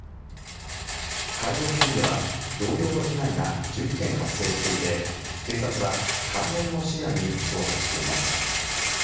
会場付近では同様の被害が１０件発生していて警察は関連も視野に捜査しています。